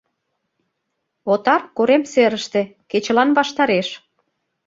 Отар — корем серыште, кечылан ваштареш.